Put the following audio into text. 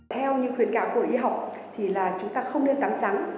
theo những khuyến cạo của y học thì là chúng ta không nên tắm trắng